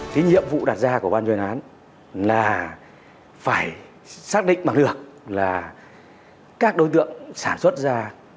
cái nhiệm vụ đặt ra của ban chuyên án là phải xác định bằng được là các đối tượng sản xuất ra